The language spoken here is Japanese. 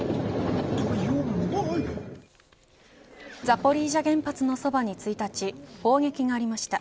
ザポリージャ原発のそばに１日砲撃がありました。